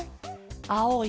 あおい